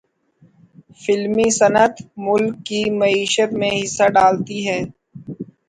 فلمی صنعت ملک کی معیشت میں حصہ ڈالتی ہے۔